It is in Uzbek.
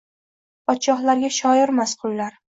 Podshohlarga shoirmas, qullar –